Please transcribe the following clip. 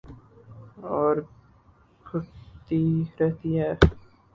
اور گھٹتی رہتی ہے